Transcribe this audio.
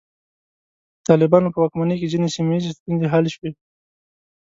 د طالبانو په واکمنۍ کې ځینې سیمه ییزې ستونزې حل شوې.